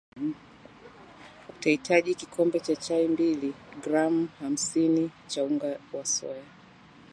Utahitaji Kikombe cha chai mbili gram hamsini cha unga wa soya